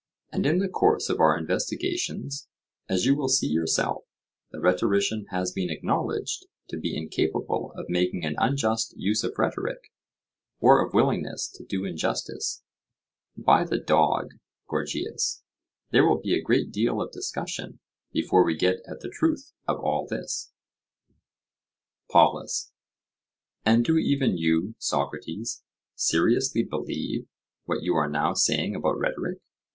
And in the course of our investigations, as you will see yourself, the rhetorician has been acknowledged to be incapable of making an unjust use of rhetoric, or of willingness to do injustice. By the dog, Gorgias, there will be a great deal of discussion, before we get at the truth of all this. POLUS: And do even you, Socrates, seriously believe what you are now saying about rhetoric?